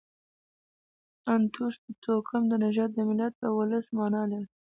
انتوس د توکم، نژاد، د ملت او اولس مانا لري.